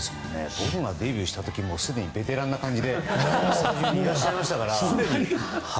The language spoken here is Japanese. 僕がデビューした時すでにベテランな感じでスタジオにいらっしゃいましたから。